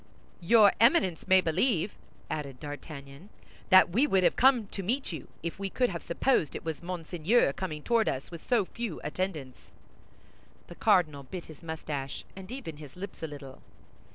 "Your Eminence may believe," added D'Artagnan, "that we would have come to meet you, if we could have supposed it was Monseigneur coming toward us with so few attendants." The cardinal bit his mustache, and even his lips a little.